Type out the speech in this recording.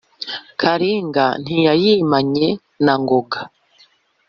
karinga ntiyayimanye na ngoga.